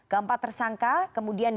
keempat tersangka kemudian